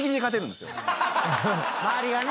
周りがね。